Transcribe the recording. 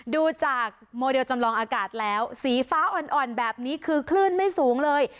ดูจากโมเดลจำลองอากาศแล้วสีฟ้าอ่อนแบบนี้คือคลื่นไม่สูงเลย